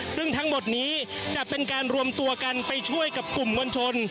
ซึ่งทั้งหมดนี้จะเป็นการรวมตัวกันไปช่วยกับกลุ่มมวลชน